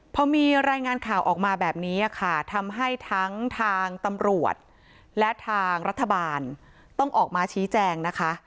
พอมีรายงานข่าวออกมาแบบนี้ค่ะทำให้ทั้งทางตำรวจและทางรัฐบาลต้องออกมาชี้แจงนะคะ